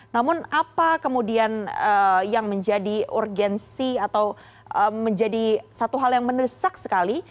namun apa kemudian yang menjadi urgensi atau menjadi satu hal yang mendesak sekali